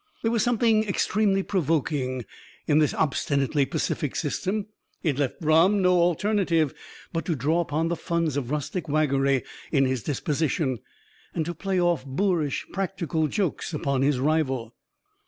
There was something extremely provoking in this obstinately pacific system; it left Brom no alternative but to draw upon the funds of rustic waggery in his disposition, and to play off boorish practical jokes upon his rival.